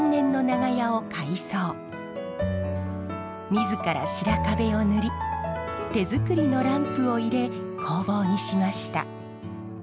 自ら白壁を塗り手作りのランプを入れ工房にしました。